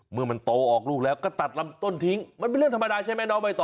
เมื่อมันโตออกลูกแล้วก็ตัดลำต้นทิ้งมันเป็นเรื่องธรรมดาใช่ไหมน้องใบตอ